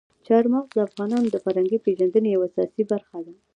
چار مغز د افغانانو د فرهنګي پیژندنې یوه اساسي برخه ده.